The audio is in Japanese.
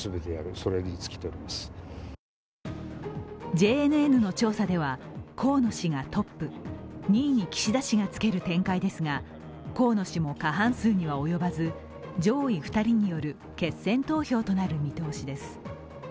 ＪＮＮの調査では河野氏がトップ、２位に岸田氏がつける展開ですが、河野氏も過半数には及ばず上位２人による決選投票となる見通しです。